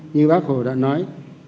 như bác hồ đã nói